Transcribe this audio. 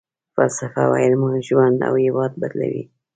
فلسفه ويل مو ژوند او هېواد بدلوي.